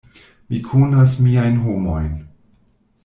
Mi konas miajn homojn.